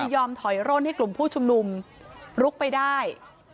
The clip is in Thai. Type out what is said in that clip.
ยอมถอยร่นให้กลุ่มผู้ชุมนุมลุกไปได้